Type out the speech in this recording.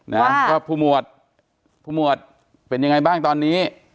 นะว่าผู้หมวดผู้หมวดเป็นยังไงบ้างตอนนี้